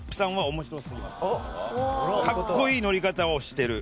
かっこいいのり方をしてる。